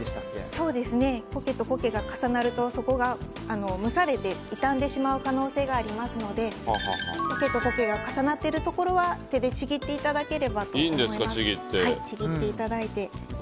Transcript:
そうですね、苔と苔が重なるとそこが蒸されて傷んでしまう可能性がありますので苔と苔が重なっているところは手でちぎっていただければと。